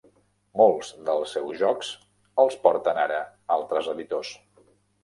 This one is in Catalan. Molts dels seus jocs els porten ara altres editors.